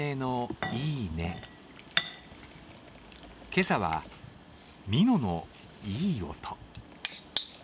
今朝は、ミノのいい音。